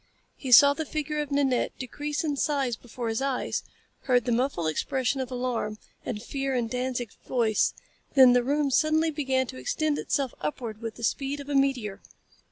He saw the figure of Nanette decrease in size before his eyes, heard the muffled expression of alarm and fear in Danzig's voice; then the room suddenly began to extend itself upward with the speed of a meteor.